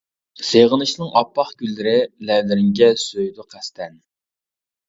سېغىنىشنىڭ ئاپئاق گۈللىرى لەۋلىرىڭگە سۆيىدۇ قەستەن.